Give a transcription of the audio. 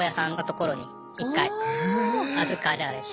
預かられて。